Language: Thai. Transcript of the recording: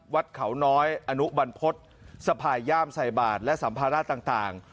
วัดเขาน้อยอนุบรรพฤษสะพายย่ามใส่บาทและสัมภาระต่าง